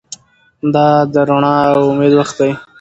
دا د رڼا او امید وخت دی.